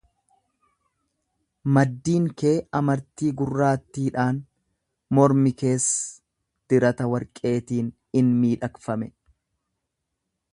maddiin kee amartii gurraattiidhaan, mormi kees dirata warqeetiin in miidhagfame;